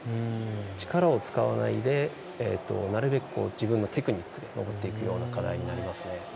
力を使わないでなるべく自分のテクニックで登っていくような課題になりますね。